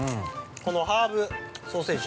このハーブソーセージ。